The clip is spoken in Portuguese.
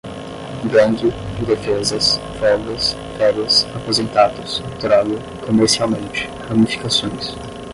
gangue, indefesas, folgas, férias, aposentados, droga, comercialmente, ramificações